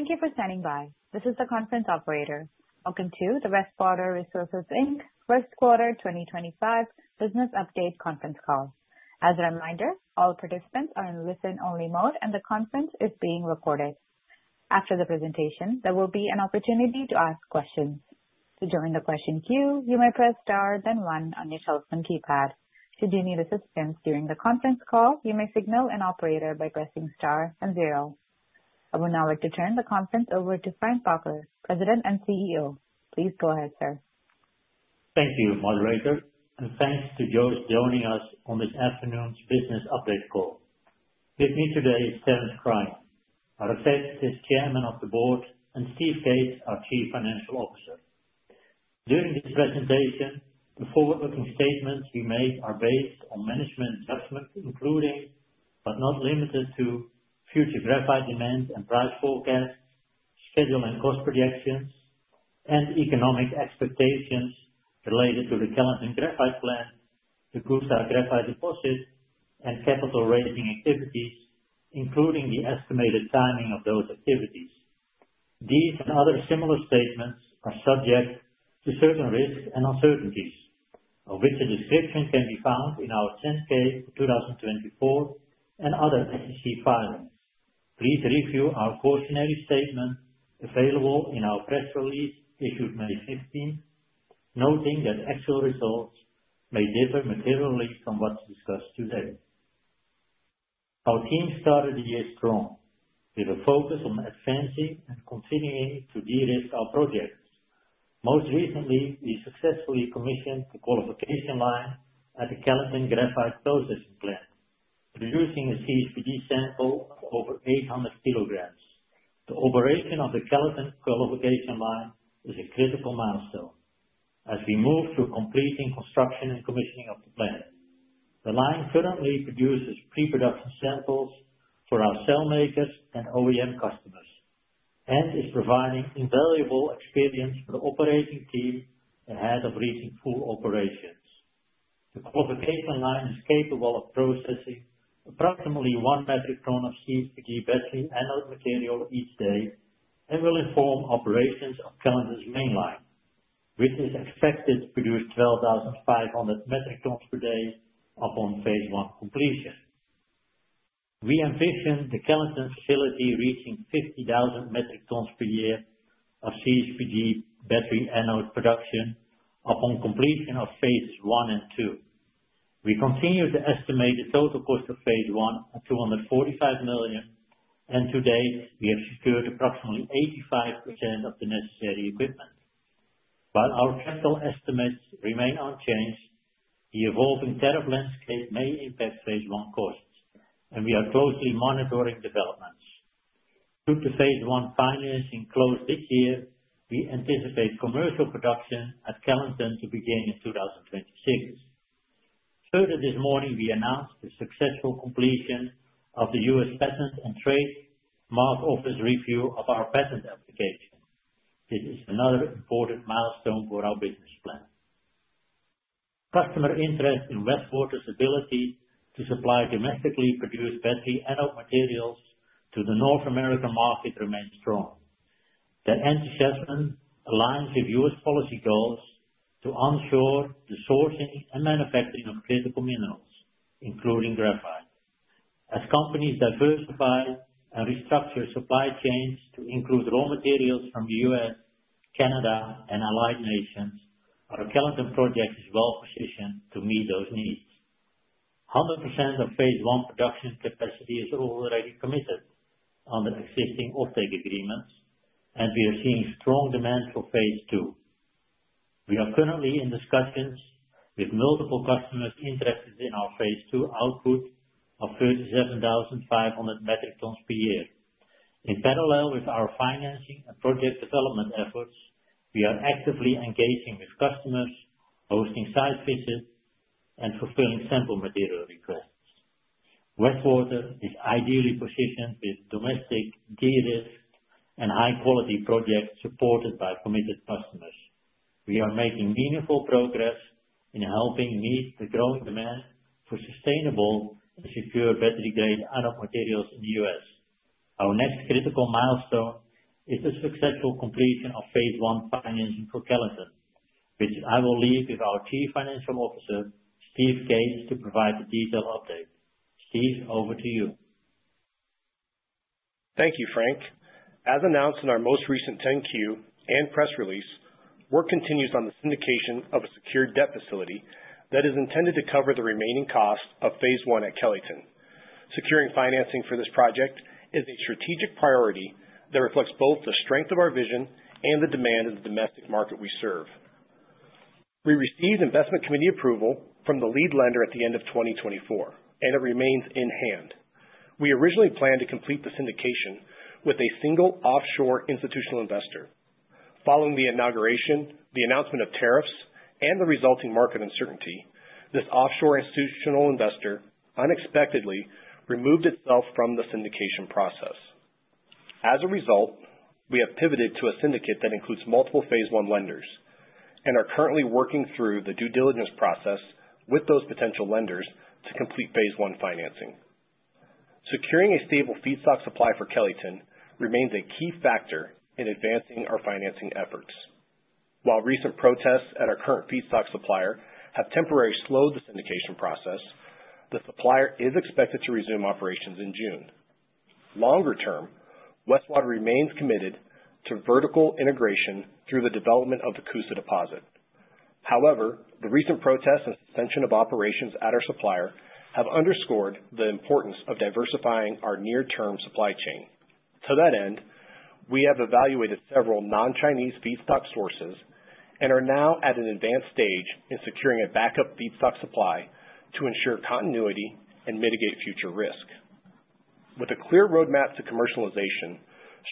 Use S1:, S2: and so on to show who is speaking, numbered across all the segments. S1: Thank you for standing by. This is the conference operator. Welcome to the Westwater Resources, Inc First Quarter 2025 Business Update Conference Call. As a reminder, all participants are in listen-only mode, and the conference is being recorded. After the presentation, there will be an opportunity to ask questions. To join the question queue, you may press star then one on your telephone keypad. Should you need assistance during the conference call, you may signal an operator by pressing star and zero. I would now like to turn the conference over to Frank Bakker, President and CEO. Please go ahead, sir.
S2: Thank you, Moderator, and thanks to George joining us on this afternoon's business update call. With me today is Terence Cryan, our Executive Chairman of the Board, and Steve Cates, our Chief Financial Officer. During this presentation, the forward-looking statements we made are based on management judgment, including, but not limited to, future graphite demand and price forecasts, schedule and cost projections, and economic expectations related to the Kellyton Graphite Plant, the Coosa Graphite Deposit, and capital-raising activities, including the estimated timing of those activities. These and other similar statements are subject to certain risks and uncertainties, of which a description can be found in our 10-K for 2024 and other SEC filings. Please review our cautionary statement available in our press release issued May 15, noting that actual results may differ materially from what's discussed today. Our team started the year strong, with a focus on advancing and continuing to de-risk our projects. Most recently, we successfully commissioned the qualification line at the Kellyton Graphite Processing Plant, producing a CSPG sample of over 800 kg. The operation of the Kellyton qualification line is a critical milestone as we move to completing construction and commissioning of the plant. The line currently produces pre-production samples for our cell makers and OEM customers and is providing invaluable experience for the operating team ahead of reaching full operations. The qualification line is capable of processing approximately one metric ton of CSPG battery anode material each day and will inform operations of Kellyton's mainline, which is expected to produce 12,500 metric tons per year upon phase I completion. We envision the Kellyton facility reaching 50,000 metric tons per year of CSPG battery anode production upon completion of phases I and II. We continue to estimate the total cost of phase I at $245 million, and to date, we have secured approximately 85% of the necessary equipment. While our capital estimates remain unchanged, the evolving tariff landscape may impact phase I costs, and we are closely monitoring developments. Due to phase I financing close this year, we anticipate commercial production at Kellyton to begin in 2026. Further, this morning, we announced the successful completion of the U.S. Patent and Trademark Office review of our patent application. This is another important milestone for our business plan. Customer interest in Westwater's ability to supply domestically produced battery anode materials to the North American market remains strong. That enthusiasm aligns with U.S. policy goals to ensure the sourcing and manufacturing of critical minerals, including graphite. As companies diversify and restructure supply chains to include raw materials from the U.S., Canada, and Allied Nations, our Kellyton project is well positioned to meet those needs. 100% of phase I production capacity is already committed under existing offtake agreements, and we are seeing strong demand for phase II. We are currently in discussions with multiple customers interested in our phase II output of 37,500 metric tons per year. In parallel with our financing and project development efforts, we are actively engaging with customers, hosting site visits, and fulfilling sample material requests. Westwater is ideally positioned with domestic de-risk and high-quality projects supported by committed customers. We are making meaningful progress in helping meet the growing demand for sustainable and secure battery-grade anode materials in the U.S. Our next critical milestone is the successful completion of phase I financing for Kellyton, which I will leave with our Chief Financial Officer, Steve Cates, to provide a detailed update. Steve, over to you.
S3: Thank you, Frank. As announced in our most recent 10-Q and press release, work continues on the syndication of a secured debt facility that is intended to cover the remaining cost of phase I at Kellyton. Securing financing for this project is a strategic priority that reflects both the strength of our vision and the demand of the domestic market we serve. We received investment committee approval from the lead lender at the end of 2024, and it remains in hand. We originally planned to complete the syndication with a single offshore institutional investor. Following the inauguration, the announcement of tariffs, and the resulting market uncertainty, this offshore institutional investor unexpectedly removed itself from the syndication process. As a result, we have pivoted to a syndicate that includes multiple phase I lenders and are currently working through the due diligence process with those potential lenders to complete phase I financing. Securing a stable feedstock supply for Kellyton remains a key factor in advancing our financing efforts. While recent protests at our current feedstock supplier have temporarily slowed the syndication process, the supplier is expected to resume operations in June. Longer term, Westwater remains committed to vertical integration through the development of the Coosa Deposit. However, the recent protests and suspension of operations at our supplier have underscored the importance of diversifying our near-term supply chain. To that end, we have evaluated several non-Chinese feedstock sources and are now at an advanced stage in securing a backup feedstock supply to ensure continuity and mitigate future risk. With a clear roadmap to commercialization,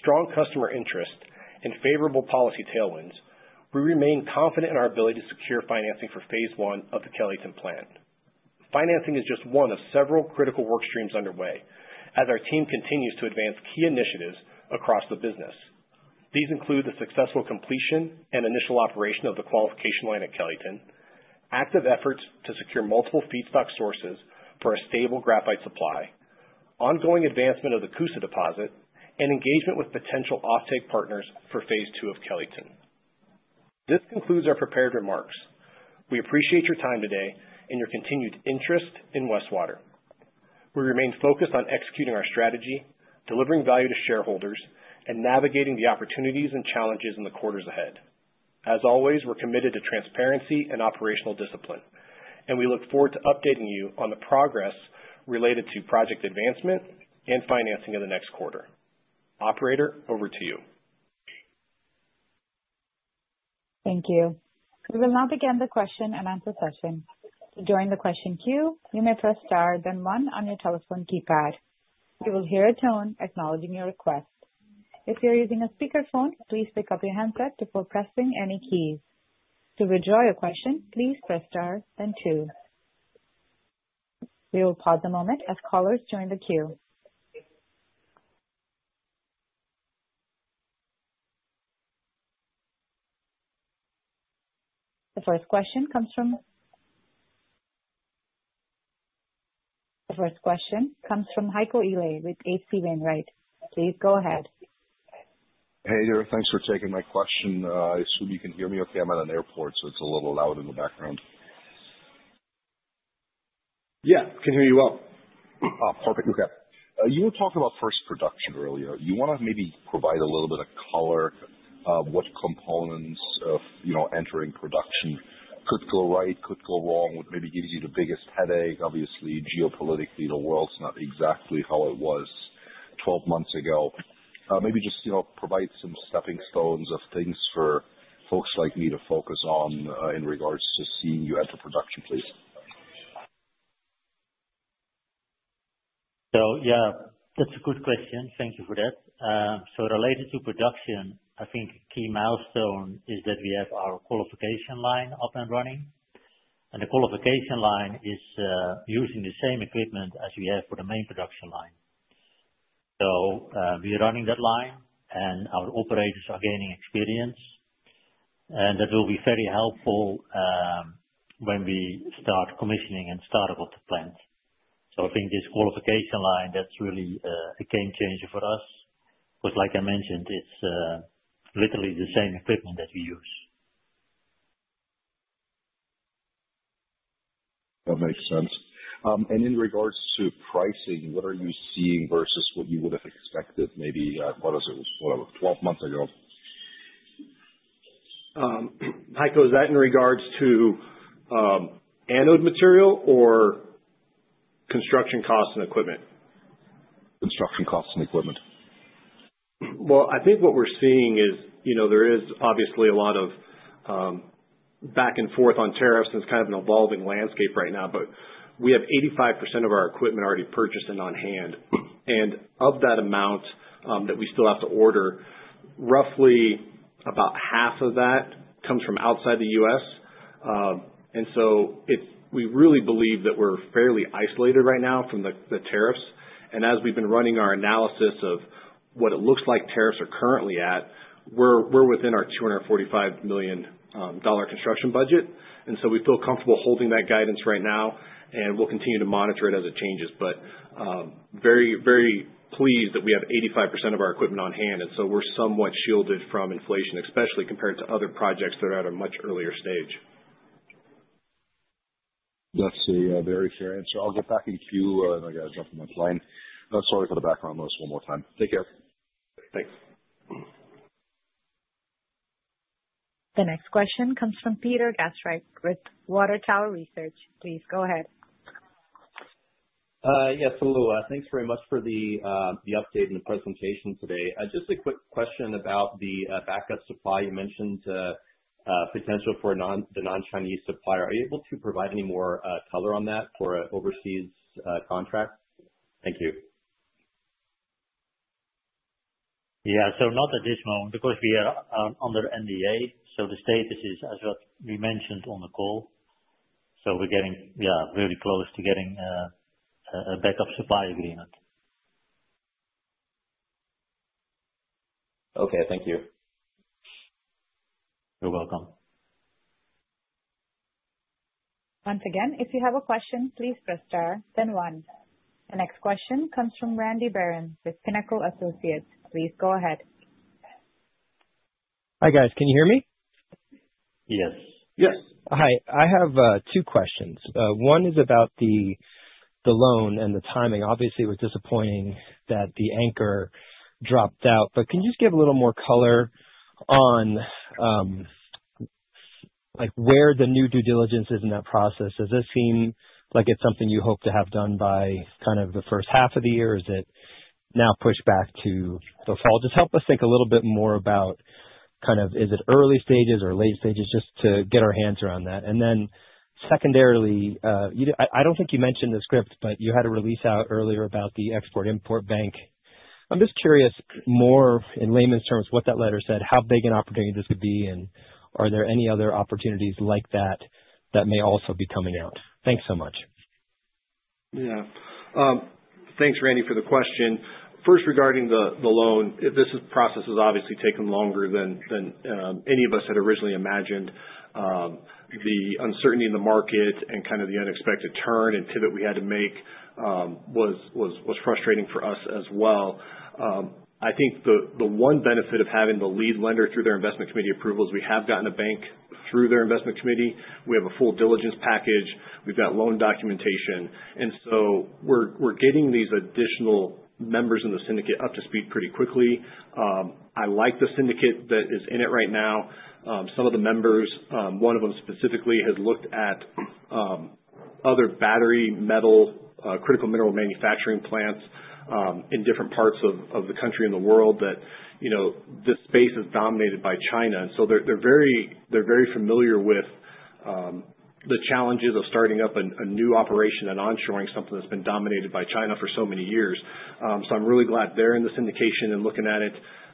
S3: strong customer interest, and favorable policy tailwinds, we remain confident in our ability to secure financing for phase I of the Kellyton plant. Financing is just one of several critical work streams underway as our team continues to advance key initiatives across the business. These include the successful completion and initial operation of the qualification line at Kellyton, active efforts to secure multiple feedstock sources for a stable graphite supply, ongoing advancement of the Coosa Deposit, and engagement with potential offtake partners for phase II of Kellyton. This concludes our prepared remarks. We appreciate your time today and your continued interest in Westwater. We remain focused on executing our strategy, delivering value to shareholders, and navigating the opportunities and challenges in the quarters ahead. As always, we're committed to transparency and operational discipline, and we look forward to updating you on the progress related to project advancement and financing of the next quarter. Operator, over to you.
S1: Thank you. We will now begin the question-and-answer session. To join the question queue, you may press star then one on your telephone keypad. You will hear a tone acknowledging your request. If you're using a speakerphone, please pick up your handset before pressing any keys. To withdraw your question, please press star then two. We will pause a moment as callers join the queue. The first question comes from Heiko Ihle with H.C. Wainwright. Please go ahead.
S4: Hey there, thanks for taking my question. I assume you can hear me okay. I'm at an airport, so it's a little loud in the background.
S3: Yeah, I can hear you well.
S4: Perfect. Okay. You were talking about first production earlier. You want to maybe provide a little bit of color of what components of entering production could go right, could go wrong, what maybe gives you the biggest headache. Obviously, geopolitically, the world's not exactly how it was 12 months ago. Maybe just provide some stepping stones of things for folks like me to focus on in regards to seeing you enter production, please.
S2: Yeah, that's a good question. Thank you for that. Related to production, I think a key milestone is that we have our qualification line up and running, and the qualification line is using the same equipment as we have for the main production line. We are running that line, and our operators are gaining experience, and that will be very helpful when we start commissioning and start up with the plant. I think this qualification line, that's really a game changer for us because, like I mentioned, it's literally the same equipment that we use.
S4: That makes sense. In regards to pricing, what are you seeing versus what you would have expected, maybe what was 12 months ago?
S3: Heiko, is that in regards to anode material or construction costs and equipment?
S4: Construction costs and equipment.
S3: I think what we're seeing is there is obviously a lot of back and forth on tariffs, and it's kind of an evolving landscape right now, but we have 85% of our equipment already purchased and on hand. Of that amount that we still have to order, roughly about half of that comes from outside the U.S. We really believe that we're fairly isolated right now from the tariffs. As we've been running our analysis of what it looks like tariffs are currently at, we're within our $245 million construction budget. We feel comfortable holding that guidance right now, and we'll continue to monitor it as it changes. Very, very pleased that we have 85% of our equipment on hand, and we're somewhat shielded from inflation, especially compared to other projects that are at a much earlier stage.
S4: That's a very fair answer. I'll get back in queue. I got to jump on my plane. Sorry for the background noise one more time. Take care.
S3: Thanks.
S1: The next question comes from Peter Gastreich with Water Tower Research. Please go ahead.
S5: Yes, hello. Thanks very much for the update and the presentation today. Just a quick question about the backup supply. You mentioned potential for the non-Chinese supplier. Are you able to provide any more color on that for overseas contract? Thank you.
S2: Yeah, so not additional because we are under NDA, so the status is, as we mentioned on the call. We're getting, yeah, very close to getting a backup supply agreement.
S5: Okay, thank you.
S2: You're welcome.
S1: Once again, if you have a question, please press star then one. The next question comes from Randy Baron with Pinnacle Associates. Please go ahead.
S6: Hi guys, can you hear me?
S2: Yes.
S3: Yes.
S6: Hi, I have two questions. One is about the loan and the timing. Obviously, it was disappointing that the anchor dropped out, but can you just give a little more color on where the new due diligence is in that process? Does this seem like it's something you hope to have done by kind of the first half of the year, or is it now pushed back to the fall? Just help us think a little bit more about kind of is it early stages or late stages just to get our hands around that. Secondarily, I don't think you mentioned the script, but you had a release out earlier about the U.S. Export-Import Bank. I'm just curious more in layman's terms what that letter said, how big an opportunity this could be, and are there any other opportunities like that that may also be coming out? Thanks so much.
S3: Yeah. Thanks, Randy, for the question. First, regarding the loan, this process has obviously taken longer than any of us had originally imagined. The uncertainty in the market and kind of the unexpected turn and pivot we had to make was frustrating for us as well. I think the one benefit of having the lead lender through their investment committee approval is we have gotten a bank through their investment committee. We have a full diligence package. We've got loan documentation. We are getting these additional members in the syndicate up to speed pretty quickly. I like the syndicate that is in it right now. Some of the members, one of them specifically, has looked at other battery metal critical mineral manufacturing plants in different parts of the country and the world that this space is dominated by China. They are very familiar with the challenges of starting up a new operation and onshoring something that has been dominated by China for so many years. I am really glad they are in the syndication and looking at it.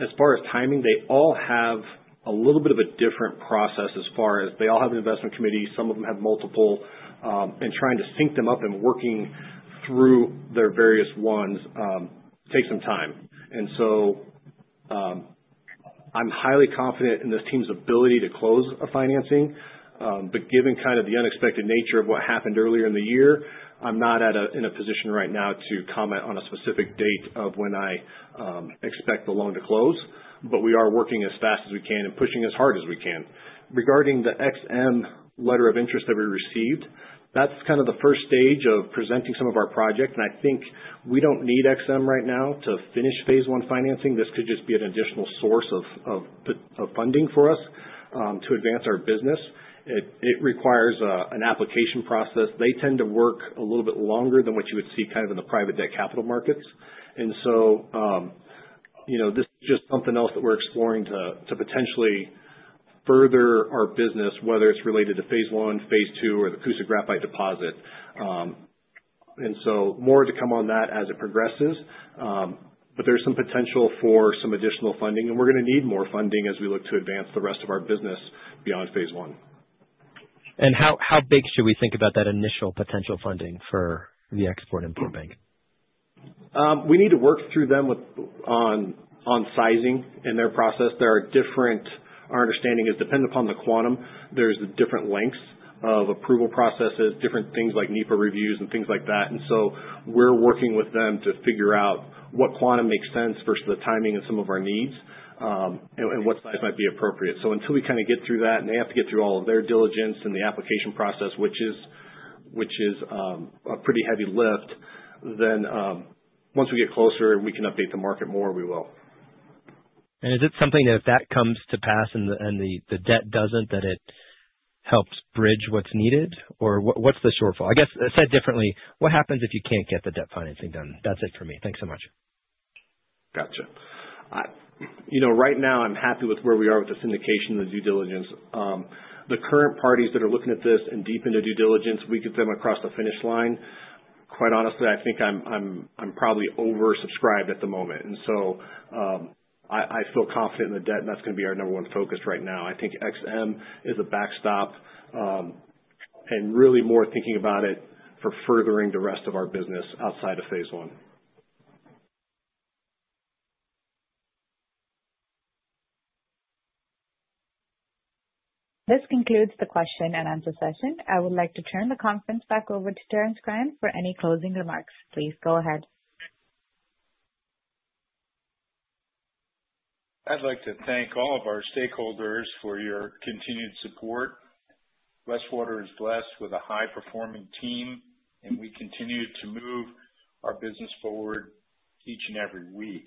S3: As far as timing, they all have a little bit of a different process as far as they all have an investment committee. Some of them have multiple, and trying to sync them up and working through their various ones takes some time. I am highly confident in this team's ability to close financing, but given kind of the unexpected nature of what happened earlier in the year, I am not in a position right now to comment on a specific date of when I expect the loan to close, but we are working as fast as we can and pushing as hard as we can. Regarding the EXIM letter of interest that we received, that's kind of the first stage of presenting some of our project, and I think we don't need EXIM right now to finish phase I financing. This could just be an additional source of funding for us to advance our business. It requires an application process. They tend to work a little bit longer than what you would see kind of in the private debt capital markets. This is just something else that we're exploring to potentially further our business, whether it's related to phase I, phase II, or the Coosa Graphite Deposit. More to come on that as it progresses, but there's some potential for some additional funding, and we're going to need more funding as we look to advance the rest of our business beyond phase I.
S6: How big should we think about that initial potential funding for the U.S. Export-Import Bank?
S3: We need to work through them on sizing in their process. Our understanding is depending upon the quantum, there are different lengths of approval processes, different things like NEPA reviews and things like that. We are working with them to figure out what quantum makes sense versus the timing of some of our needs and what size might be appropriate. Until we get through that and they have to get through all of their diligence and the application process, which is a pretty heavy lift, once we get closer, we can update the market more, we will.
S6: Is it something that if that comes to pass and the debt doesn't, that it helps bridge what's needed? What's the shortfall? I guess said differently, what happens if you can't get the debt financing done? That's it for me. Thanks so much.
S3: Gotcha. Right now, I'm happy with where we are with the syndication and the due diligence. The current parties that are looking at this and deep into due diligence, we get them across the finish line. Quite honestly, I think I'm probably oversubscribed at the moment. I feel confident in the debt, and that's going to be our number one focus right now. I think EXIM is a backstop and really more thinking about it for furthering the rest of our business outside of phase I.
S1: This concludes the question and answer session. I would like to turn the conference back over to Terence Cryan for any closing remarks. Please go ahead.
S7: I'd like to thank all of our stakeholders for your continued support. Westwater is blessed with a high-performing team, and we continue to move our business forward each and every week.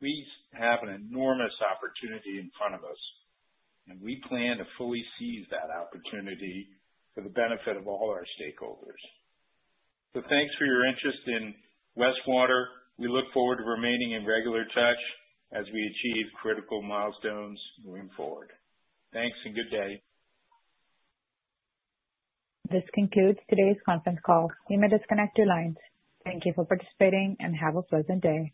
S7: We have an enormous opportunity in front of us, and we plan to fully seize that opportunity for the benefit of all our stakeholders. Thanks for your interest in Westwater. We look forward to remaining in regular touch as we achieve critical milestones moving forward. Thanks and good day.
S1: This concludes today's conference call. You may disconnect your lines. Thank you for participating and have a pleasant day.